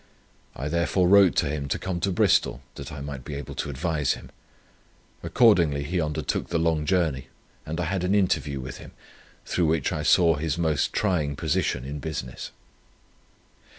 I therefore wrote to him to come to Bristol, that I might be able to advise him. Accordingly he undertook the long journey, and I had an interview with him, through which I saw his most trying position in business.